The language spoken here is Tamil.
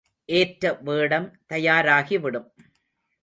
ஏற்ற வேடம் தயாராகிவிடும்.